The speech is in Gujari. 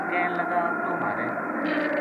کہن لگا توہ مھارے